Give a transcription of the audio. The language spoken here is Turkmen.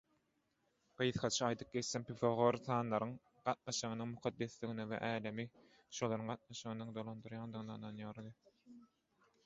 Gysgaça aýdyp geçsem, Pifagor sanlaryň gatnaşygynyň mukaddesdigine we älemi şolaryň gatnaşygynyň dolandyrýandygyna ynanýardy.